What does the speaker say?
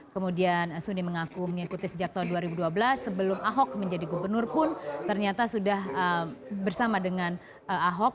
kemudian suni mengaku mengikuti sejak tahun dua ribu dua belas sebelum ahok menjadi gubernur pun ternyata sudah bersama dengan ahok